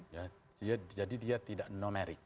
ya jadi dia tidak nomerik